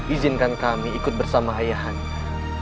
izinkan kami ikut bersama ayah anda